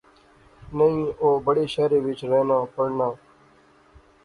نئیں او بڑے شہرے وچ رہنا پڑھنا